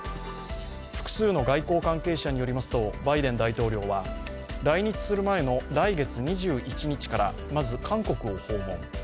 複数の外交関係者によりますとバイデン大統領は来日する前の来月２１日からまず韓国を訪問。